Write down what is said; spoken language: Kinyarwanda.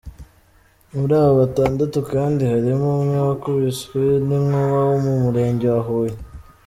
Muri abo batandatu kandi harimo umwe wakubiswe n’inkuba wo mu Murenge wa Huye.